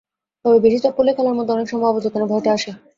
তবে বেশি চাপ পড়লে খেলার মধ্যে অনেক সময় অবচেতনে ভয়টা আসে।